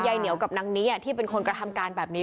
เหนียวกับนางนี้ที่เป็นคนกระทำการแบบนี้